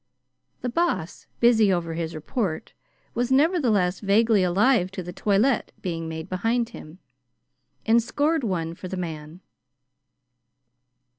The Boss, busy over his report, was, nevertheless, vaguely alive to the toilet being made behind him, and scored one for the man.